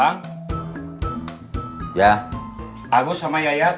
bang ya aku sama yayat